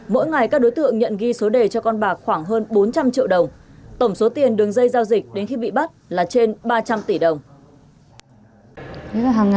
mỗi ngày các đối tượng nhận ghi số đề cho con bạc khoảng hơn bốn trăm linh triệu đồng